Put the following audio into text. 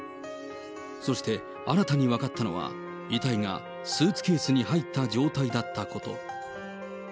そして、新たに分かったのは、遺体がスーツケースに入った状態だったこと。